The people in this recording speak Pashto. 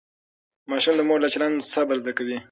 ماشوم د مور له چلند صبر زده کوي.